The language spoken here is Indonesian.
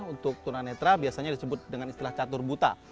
untuk tunar netra biasanya disebut dengan istilah catur buta